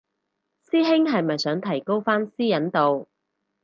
師兄係咪想提高返私隱度